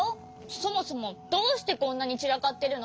そもそもどうしてこんなにちらかってるの！？